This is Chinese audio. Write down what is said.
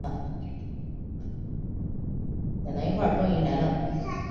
等了一会儿终于来了